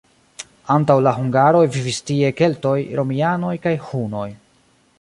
Antaŭ la hungaroj vivis tie keltoj, romianoj kaj hunoj.